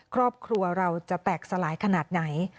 ครอบครัวเราจะแตกสลายขนาดไหน